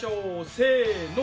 せの。